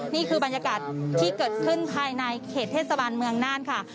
นี่คือบรรยากาศที่เกิดขึ้นภายในเขตเทศบาลเมืองน่านค่ะ